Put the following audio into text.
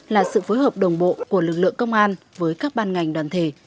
là sự phối hợp đồng bộ của lực lượng công an với các ban ngành đoàn thể